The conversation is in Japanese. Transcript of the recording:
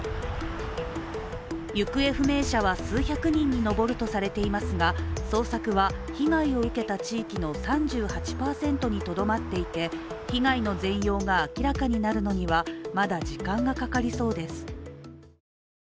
行方不明者は数百人に上るとされていますが捜索は被害を受けた地域の３８％にとどまっていて、被害の全容が明らかになるのにはまだ時間がかかりそうです。